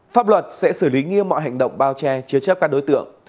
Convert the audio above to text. pháp luật sẽ xử lý nghiêm mọi hành động bao che chứa chấp các đối tượng